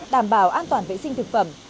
đảm bảo an toàn vệ sinh thực phẩm